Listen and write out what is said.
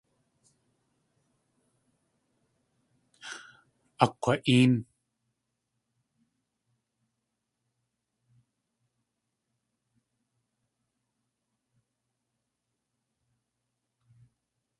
Akg̲wa.éen.